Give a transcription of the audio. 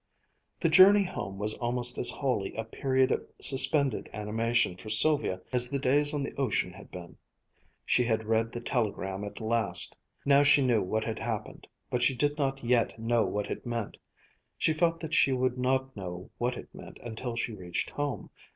The journey home was almost as wholly a period of suspended animation for Sylvia as the days on the ocean had been. She had read the telegram at last; now she knew what had happened, but she did not yet know what it meant. She felt that she would not know what it meant until she reached home.